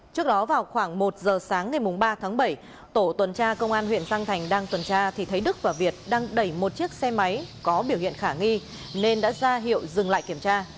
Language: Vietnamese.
trước đó vào khoảng một giờ sáng ngày ba tháng bảy tổ tuần tra công an huyện giang thành đang tuần tra thì thấy đức và việt đang đẩy một chiếc xe máy có biểu hiện khả nghi nên đã ra hiệu dừng lại kiểm tra